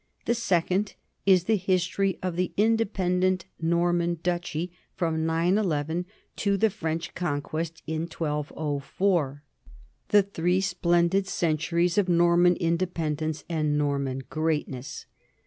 The second is the history of the independent Norman duchy from 911 to the French conquest in 1204, the three splendid centuries of Norman independence and Nor man greatness.